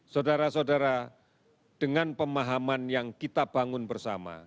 saudara saudara dengan pemahaman yang kita bangun bersama